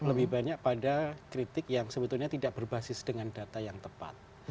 lebih banyak pada kritik yang sebetulnya tidak berbasis dengan data yang tepat